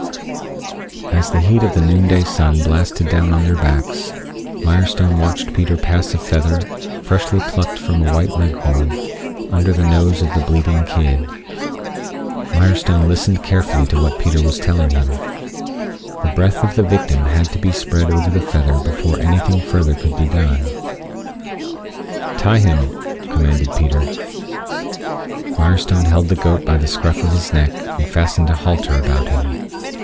As the heat of the noon day sun blasted down on their backs, Mirestone watched Peter pass a feather, freshly plucked from a white Leghorn, under the nose of the bleating kid. Mirestone listened carefully to what Peter was telling him. The breath of the victim had to be spread over the feather before anything further could be done. "Tie him," commanded Peter. Mirestone held the goat by the scruff of his neck and fastened a halter about him.